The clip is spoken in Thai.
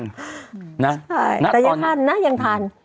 ใช่แต่ยังทานนะยังทาน